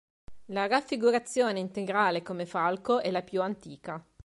La raffigurazione integrale come falco è la più antica.